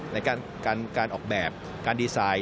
ในการออกแบบการดีไซน์